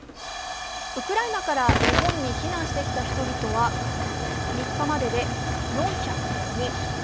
ウクライナから日本に避難してきた人々は３日までで４０４人。